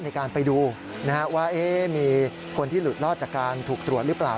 ในการไปดูว่ามีคนที่หลุดรอดจากการถูกตรวจหรือเปล่า